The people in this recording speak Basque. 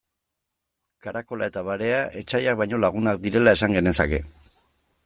Karakola eta barea etsaiak baino lagunak direla esan genezake.